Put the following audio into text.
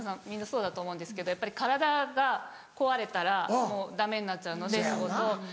みんなそうだと思うんですけどやっぱり体がこわれたらもうダメになっちゃうので仕事。